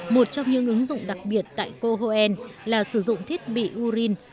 một trong những ứng dụng đặc biệt tại cohoen là sử dụng thiết bị uren